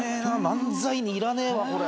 漫才にいらねえわこれ。